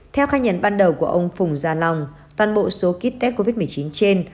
theo khai nhận ban đầu của ông phùng gia long toàn bộ số kit test covid một mươi chín trên